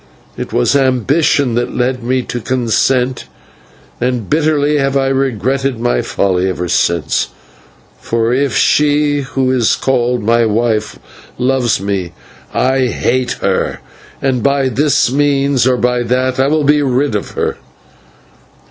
It was ambition that led me to consent, and bitterly have I regretted my folly ever since; for if she who is called my wife loves me, I hate her, and by this means or by that I will be rid of her.